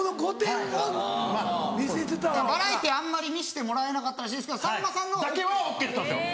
バラエティーあんまり見してもらえなかったらしいけどさんまさんの。だけはＯＫだったんですよ。